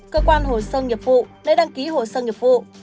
cơ quan hồ sơ nghiệp vụ lễ đăng ký hồ sơ nghiệp vụ